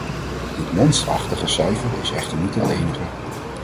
Dit monsterachtige cijfer is echter niet het enige.